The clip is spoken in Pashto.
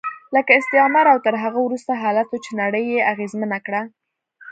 لکه استعمار او تر هغه وروسته حالاتو چې نړۍ یې اغېزمنه کړه.